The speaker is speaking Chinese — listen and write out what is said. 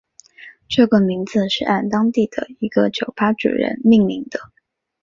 这个名字是按当地的一个酒吧主人命名的。